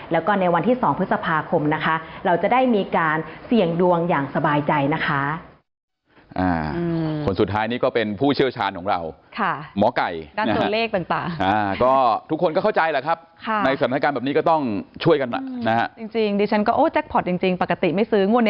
แล้วก็ในวันที่๒พฤษภาคมนะคะเราจะได้มีการเสี่ยงดวงอย่างสบายใจนะคะ